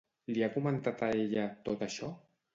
Li ha comentat a ella tot això?